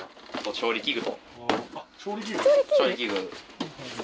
調理器具。